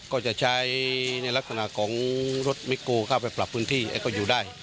ก็จะใช้ในลักษณะของรถมิโกเข้าไปปรับพื้นที่ก็อยู่ได้